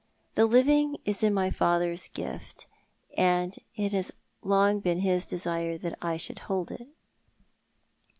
The living is in my father's gift, and it has long been his desire that I should hold it.